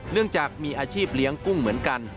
เนื่องจากมีอาชีพเลี้ยงกุ้งเหมือนกัน